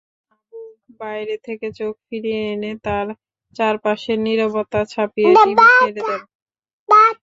আবু বাইরে থেকে চোখ ফিরিয়ে এনে তাঁর চারপাশের নীরবতা ছাপিয়ে টিভি ছেড়ে দেন।